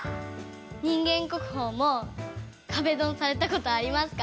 人間国宝も壁ドンされたことありますか？